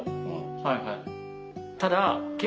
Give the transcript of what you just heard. はいはい。